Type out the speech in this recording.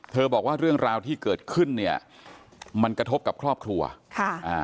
บอกว่าเรื่องราวที่เกิดขึ้นเนี่ยมันกระทบกับครอบครัวค่ะอ่า